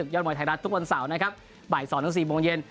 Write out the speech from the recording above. ยอดมวยไทยรัฐทุกวันเสาร์นะครับบ่าย๒๔โมงเย็น